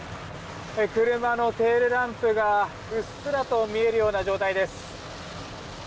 車のテールランプがうっすら見えるような状態です。